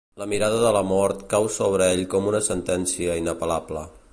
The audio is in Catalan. La mirada de la mort cau sobre ell com una sentència inapel·lable.